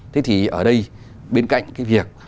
thế thì ở đây bên cạnh cái việc